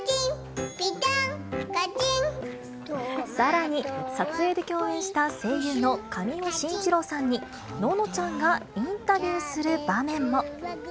さらに、撮影で共演した声優の神尾晋一郎さんに、ののちゃんがインタビューする場面も。